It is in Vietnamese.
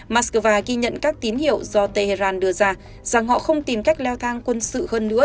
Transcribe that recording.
moscow ghi nhận các tín hiệu do tehran đưa ra rằng họ không tìm cách leo thang quân sự hơn nữa